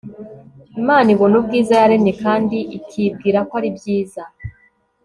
imana ibona ubwiza yaremye kandi ikibwira ko ari byiza